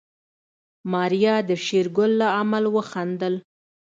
ماريا د شېرګل له عمل وخندل.